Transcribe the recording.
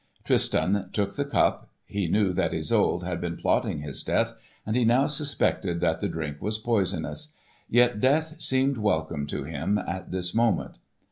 Tristan took the cup. He knew that Isolde had been plotting his death, and he now suspected that the drink was poisonous. Yet death seemed welcome to him at this moment.